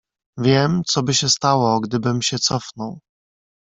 "Wiem, coby się stało, gdybym się cofnął."